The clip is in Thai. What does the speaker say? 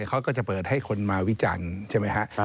เขาก็จะเปิดให้คนมาวิจันทร์ใช่ไหมฮะ